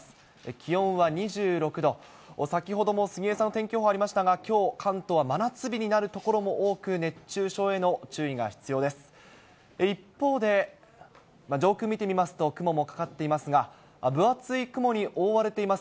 気温は２６度、先ほども杉江さんの天気予報ありましたが、きょう、関東は真夏日になる所も多く、熱中症への注意が必要です。